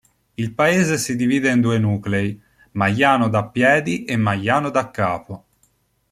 Il paese si divide in due nuclei: "Magliano da piedi" e "Magliano da capo".